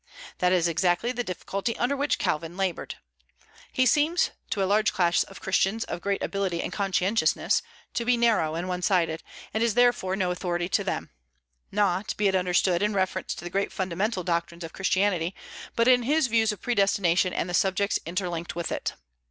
That is exactly the difficulty under which Calvin labored. He seems, to a large class of Christians of great ability and conscientiousness, to be narrow and one sided, and is therefore no authority to them; not, be it understood, in reference to the great fundamental doctrines of Christianity, but in his views of Predestination and the subjects interlinked with it.